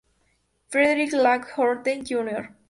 Frederick Law Olmsted, Jr.